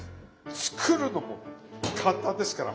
作るのも簡単ですから。